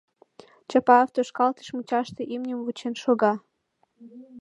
Чапаев тошкалтыш мучаште имньым вучен шога.